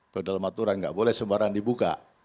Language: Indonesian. kedalam aturan gak boleh sembarangan dibuka